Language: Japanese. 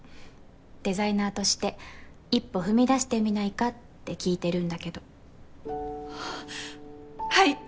デザイナーとして一歩踏み出してみないかって聞いてるんだけどはい